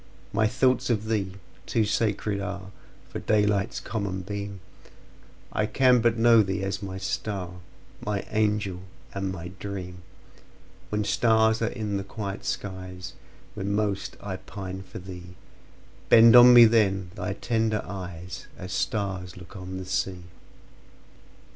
My thoughts of thee too sacred areFor daylight's common beam:I can but know thee as my star, My angel and my dream; When stars are in the quiet skies, Then most I pine for thee; Bend on me then thy tender eyes, As stars look on the sea!